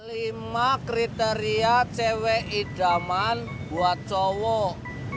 lima kriteria cewek idaman buat cowok